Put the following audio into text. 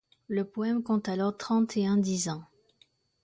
Le poème compte alors trente-et-un dizains.